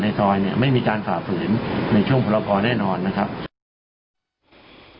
นะครับ